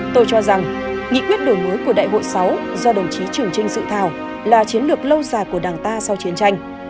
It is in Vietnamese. tôi cho rằng nghị quyết đổi mới của đại hội sáu do đồng chí trưởng trinh dự thảo là chiến lược lâu dài của đảng ta sau chiến tranh